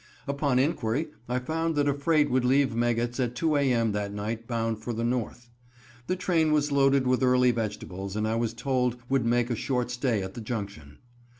Upon inquiry, I found that a freight would leave Meggetts at 2 a. m. that night bound for the North. The train was loaded with early vegetables, and I was told would make a short stay at the Junction.